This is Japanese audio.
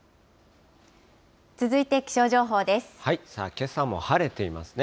けさも晴れていますね。